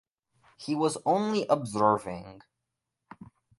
He was only observing.